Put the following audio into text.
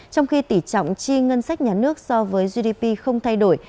trong khi tỷ trọng chi ngân sách nhà nước so với gdp không thay đổi